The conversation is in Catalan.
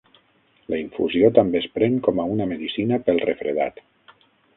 La infusió també es pren com a una medicina pel refredat.